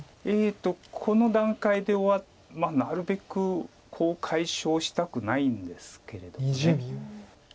この段階ではなるべくコウを解消したくないんですけれども。